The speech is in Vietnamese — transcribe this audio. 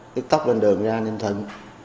tức tốc lên đường ra ninh thuận